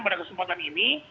pada kesempatan ini